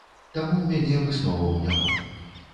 Таму ў мяне высноваў няма.